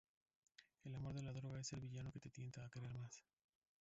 El amor de la droga, es el villano que te tienta a querer más".